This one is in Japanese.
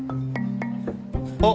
あっ。